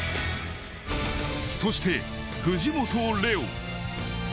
そして、藤本怜央。